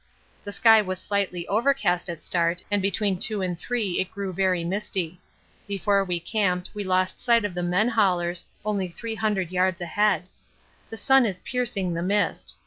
The sky was slightly overcast at start and between two and three it grew very misty. Before we camped we lost sight of the men haulers only 300 yards ahead. The sun is piercing the mist.